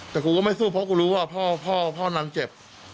แต่กูก็ไม่สู้เพราะกูรู้ว่าพ่อพ่อนั้นเจ็บ